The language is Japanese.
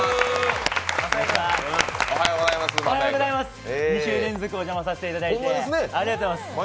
おはようございます２週連続、来させていただいて。